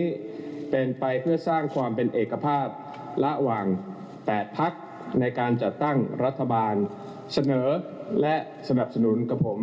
นี้เป็นไปเพื่อสร้างความเป็นเอกภาพระหว่าง๘พักในการจัดตั้งรัฐบาลเสนอและสนับสนุนกับผม